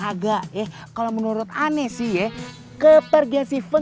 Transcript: kalau menurut aneh sih kalau menurut aneh sih kagak deh bang kagak deh bang kagak deh bang